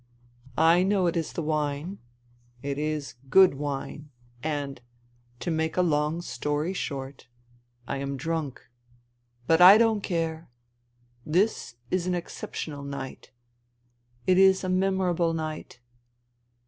I know it is the wine. It is good wine, and — ^to make a long story short — I am drunk. But I don't care. This is an exceptional night. It is a memorable night.